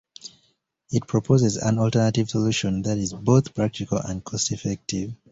It proposes an alternative solution that is both practical and cost effective.